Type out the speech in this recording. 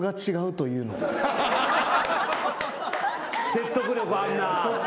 説得力あるな。